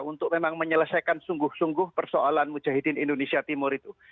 untuk memang menyelesaikan sungguh sungguh persoalan mujahidin indonesia timur itu